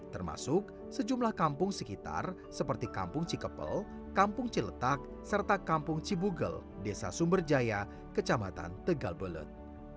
termasuk sejumlah kampung sekitar seperti kampung cikepel kampung ciletak serta kampung cibugel desa sumberjaya kecamatan tegal belet